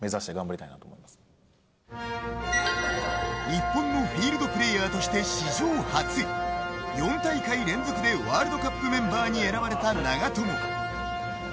日本のフィールドプレーヤーとして史上初４大会連続でワールドカップメンバーに選ばれた長友。